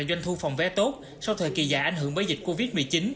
doanh thu phòng vé tốt sau thời kỳ dài ảnh hưởng bởi dịch covid một mươi chín